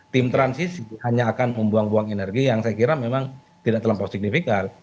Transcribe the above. tim transisi hanya akan membuang buang energi yang saya kira memang tidak terlampau signifikan